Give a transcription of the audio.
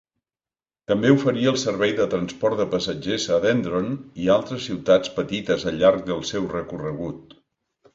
També oferia el servei de transport de passatgers a Dendron i a altres ciutats petites al llarg del seu recorregut.